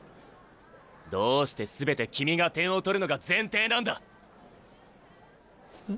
どうして全て君が点を取るのが前提なんだ？え？